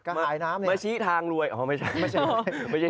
มาชี้ทางรวยอ้อไม่ใช่